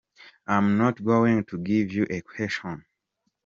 I am not going to give you a question.